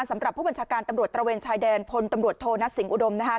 สำหรับผู้บัญชาการตำรวจตระเวนชายแดนพลตำรวจโทนัทสิงหุดมนะครับ